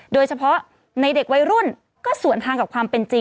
โดยเฉพาะในเด็กวัยรุ่นก็สวนทางกับความเป็นจริง